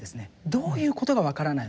どういうことがわからないのか。